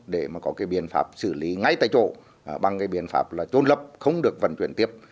để có biện pháp xử lý ngay tại chỗ bằng biện pháp trôn lập không được vận chuyển tiếp